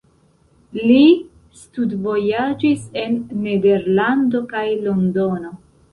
Li studvojaĝis en Nederlando kaj Londono.